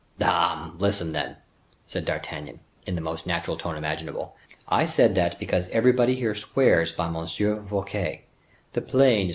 "Dame! listen then," said D'Artagnan, in the most natural tone imaginable. "I said that because everybody here swears by M. Fouquet. The plain is M.